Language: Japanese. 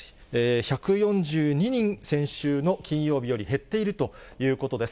１４２人、先週の金曜日より減っているということです。